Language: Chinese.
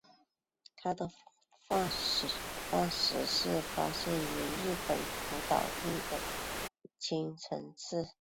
它的化石是发现于日本福岛县的磐城市。